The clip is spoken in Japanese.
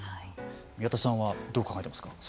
宮田さんはどう考えていますか。